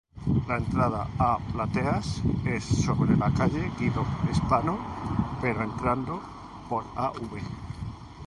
La entrada a plateas es sobre la calle Guido Spano, pero entrando por Av.